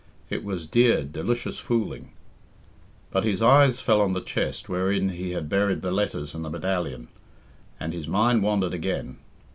It was dear, delicious fooling. But his eyes fell on the chest wherein he had buried the letters and the medallion, and his mind wandered again.